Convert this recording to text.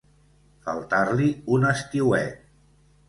Faltar-li un estiuet.